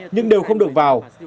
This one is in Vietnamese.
nhưng đều không được vào